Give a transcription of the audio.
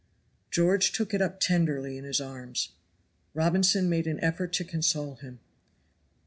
George took it up tenderly in his arms. Robinson made an effort to console him.